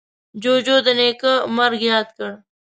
جوجو د نیکه مرگ ياد کړ.